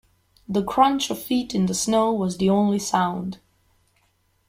The crunch of feet in the snow was the only sound.